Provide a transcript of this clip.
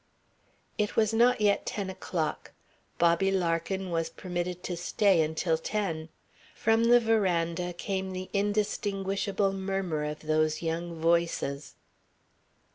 It was not yet ten o'clock. Bobby Larkin was permitted to stay until ten. From the veranda came the indistinguishable murmur of those young voices.